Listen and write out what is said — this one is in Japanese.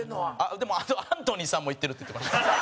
でも、アントニーさんも行ってるって言ってました。